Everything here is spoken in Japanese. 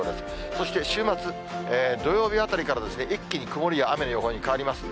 そして週末、土曜日あたりから、一気に曇りや雨の予報に変わります。